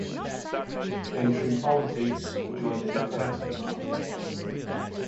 Entering politics, he joined the Democratic Party.